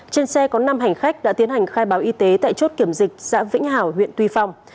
trên xe có năm hành khách đã tiến hành khai báo y tế tại chốt kiểm dịch xã vĩnh hảo huyện tuy phong